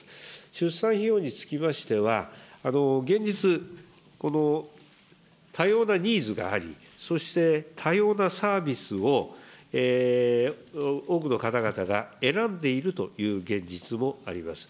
出産費用につきましては、現実、多様なニーズがあり、そして多様なサービスを多くの方々が選んでいるという現実もあります。